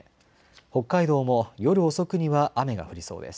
北海道も夜遅くには雨が降りそうです。